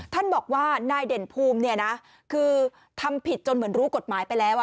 ท่านบอกว่านายเด่นภูมิเนี่ยนะคือทำผิดจนเหมือนรู้กฎหมายไปแล้ว